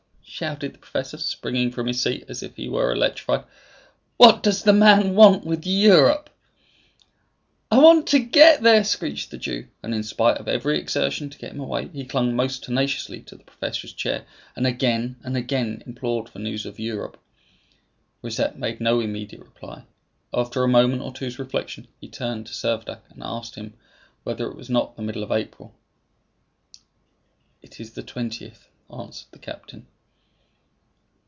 shouted the professor, springing from his seat as if he were electrified; "what does the man want with Europe?" "I want to get there!" screeched the Jew; and in spite of every exertion to get him away, he clung most tenaciously to the professor's chair, and again and again implored for news of Europe. Rosette made no immediate reply. After a moment or two's reflection, he turned to Servadac and asked him whether it was not the middle of April. "It is the twentieth," answered the captain.